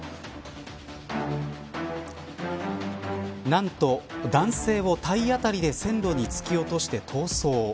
なんと男性を体当たりで線路に突き落として逃走。